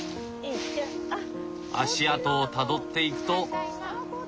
足跡をたどっていくと。